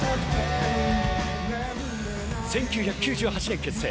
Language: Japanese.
１９９８年結成。